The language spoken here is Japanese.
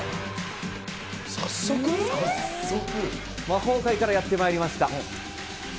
魔法界からやってまいりました。